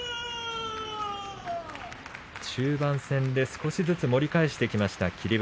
中盤で少しずつ盛り返してきました霧